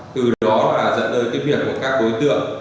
từ đó là dẫn tới cái việc của các đối tượng